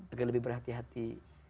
agar lebih berhati hati